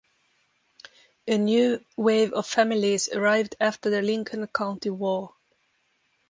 A new wave of families arrived after the Lincoln County War.